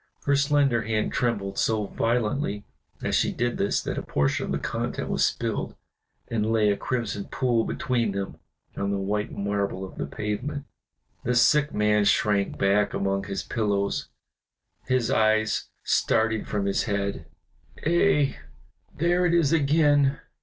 Her slender hand trembled so violently as she did this that a portion of the contents was spilled, and lay a crimson pool between them on the white marble of the pavement. The sick man shrank back among his pillows, his eyes starting from his head. "Ay! there it is again!"